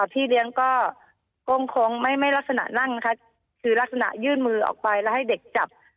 พี่เลี้ยงก็คงไม่ลักษณะนั่งค่ะคือลักษณะยื่นมือออกไปแล้วให้เด็กจับ